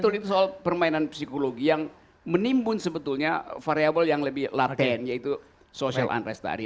betul itu soal permainan psikologi yang menimbun sebetulnya variable yang lebih laten yaitu social unrest tadi